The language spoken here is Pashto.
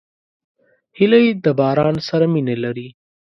هیلۍ د باران سره مینه لري